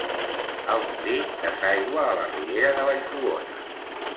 El molí desaigua a la riera de Vallfogona.